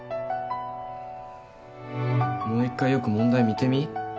もう一回よく問題見てみ？